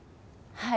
はい。